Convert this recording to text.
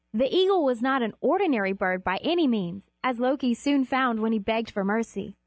The eagle was not an ordinary bird by any means, as Loki soon found when he begged for mercy.